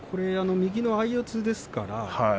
右の相四つです。